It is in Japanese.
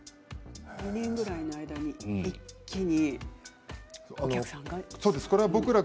３年ぐらいの間に一気にお客さんが。